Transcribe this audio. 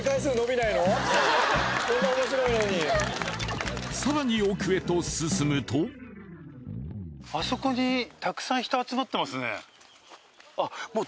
こんな面白いのにと進むとあそこにたくさん人集まってますね